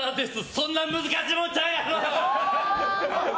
そんな難しいもんちゃうやろ！